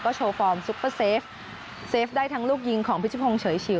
โชว์ฟอร์มซุปเปอร์เซฟเซฟได้ทั้งลูกยิงของพิชพงศ์เฉยฉิว